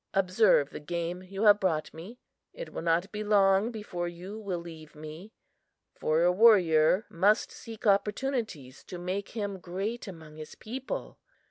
Observe the game you have brought me! It will not be long before you will leave me, for a warrior must seek opportunities to make him great among his people.